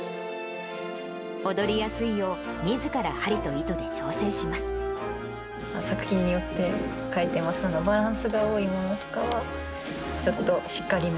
踊りやすいよう、みずから針と糸で調整します。